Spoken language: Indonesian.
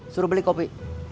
suruh beli kopi